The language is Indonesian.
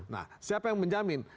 nah siapa yang menjamin